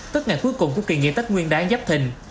tất ngày cuối cùng của kỳ nghiệp tết nguyên đáng dắp thình